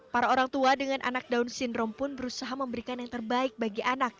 para orang tua dengan anak down syndrome pun berusaha memberikan yang terbaik bagi anak